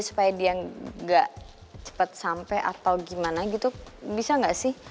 supaya dia gak cepet sampe atau gimana gitu bisa gak sih